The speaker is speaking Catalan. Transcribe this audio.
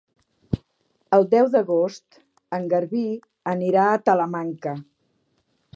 El deu d'agost en Garbí anirà a Talamanca.